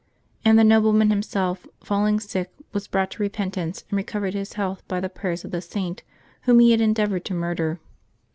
And the nobleman himself, falling sick, was brought to repent ance, and recovered his health by the prayers of the Saint whom he had endeavored to murder.